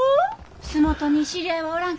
洲本に知り合いはおらんけど？